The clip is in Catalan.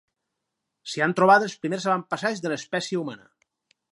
S'hi han trobat els primers avantpassats de l'espècie humana.